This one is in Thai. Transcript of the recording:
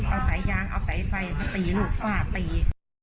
เอาสายยางเอาสายไฟมาตีลูกฝ้าตี